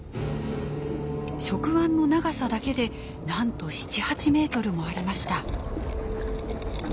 触腕の長さだけでなんと７８メートルもありました。